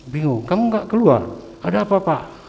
bingung kamu gak keluar ada apa apa